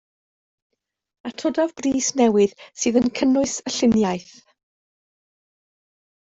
Atodaf bris newydd sydd yn cynnwys y lluniaeth